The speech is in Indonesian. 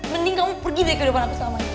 mending kamu pergi dari ke depan aku selamanya